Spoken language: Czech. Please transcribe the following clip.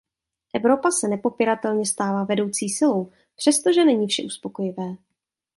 Evropa se nepopiratelně stává vedoucí silou, přestože není vše uspokojivé.